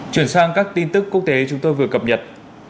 chuyển sang các tin tức quốc tế chúng tôi vừa cập nhật